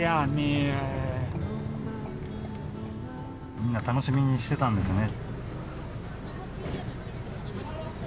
みんな楽しみにしてたんですね。